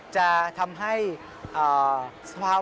จะทำให้สภาพ